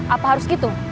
apa harus gitu